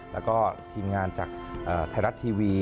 แล้วก็ทีมงานจากไทยรัฐทีวี